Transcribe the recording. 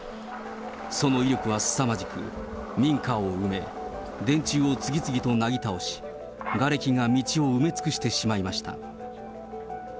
その威力はすさまじく、民家を埋め、電柱を次々となぎ倒し、がれきが道を埋め尽くしてしまいました。